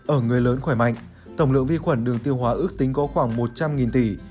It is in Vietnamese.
ở người lớn khỏe mạnh tổng lượng vi khuẩn đường tiêu hóa ước tính có khoảng một trăm linh tỷ